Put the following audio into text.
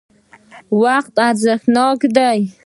وقت ارزښتناک دی.